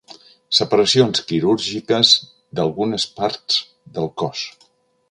Separacions quirúrgiques d'algunes parts del cos.